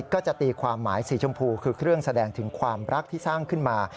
ก็จะตีความหมายสีชมพูคือเครื่องแสดงถึงความรักที่สร้างขึ้นมา